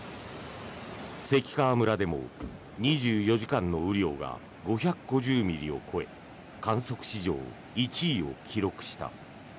関川村でも２４時間の雨量が５５０ミリを超え観測史上１位を記録した。